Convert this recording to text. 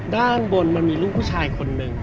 ด้านบนมันมีลูกผู้ชายคนหนึ่ง